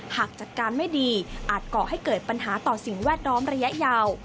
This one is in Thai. หากจัดการไม่ดีอาจก่อให้เกิดปัญหาต่อสิ่งแวดล้อมระยะยาว